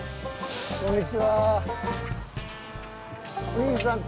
こんにちは。